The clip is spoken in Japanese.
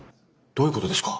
どういうことですか？